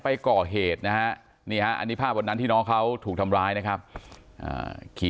ไปก่อเหตุนะฮะนี่ฮะอันนี้ภาพวันนั้นที่น้องเขาถูกทำร้ายนะครับขี่